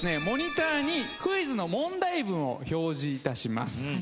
モニターにクイズの問題文を表示いたします。